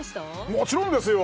もちろんですよ。